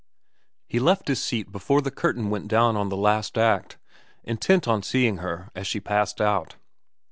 He left his seat before the curtain went down on the last act, intent on seeing Her as she passed out.